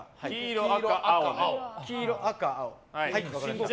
黄色、赤、青ね。